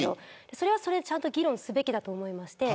それはそれでちゃんと議論すべきだと思います。